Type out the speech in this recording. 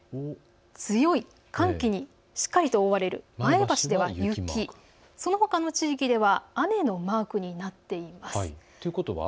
強い寒気にしっかりと覆われる前橋では雪、そのほかの地域では雨のマークになっています。